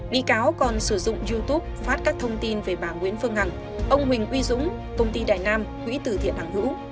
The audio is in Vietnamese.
bị cáo còn sử dụng youtube phát các thông tin về bà nguyễn phương hằng ông huỳnh uy dũng công ty đại nam quỹ tử thiện ảng hữu